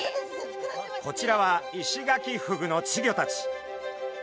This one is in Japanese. こちらはイシガキフグの稚魚たち。